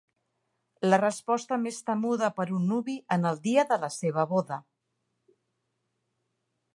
La resposta més temuda per un nuvi en el dia de la seva boda.